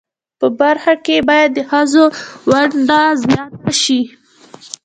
په برخه کښی باید د خځو ونډه ځیاته شی